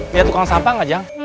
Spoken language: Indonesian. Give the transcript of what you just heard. lihat tukang sampah gak jang